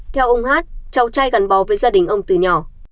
theo ông h cháu trai gắn bò với gia đình ông từ nhỏ